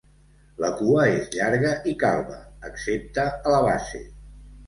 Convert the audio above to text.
La cua és llarga i calba, excepte a la base.